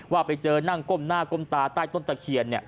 ว่าไปเจอนั่งก้มหน้าก้มตาใต้ต้นตะเคียน